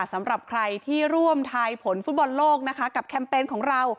สำหรับใครที่ร่วมทายผลฟุตบอลโลกนะคะกับแคมเปญของเรา